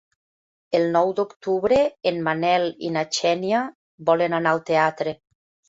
El nou d'octubre en Manel i na Xènia volen anar al teatre.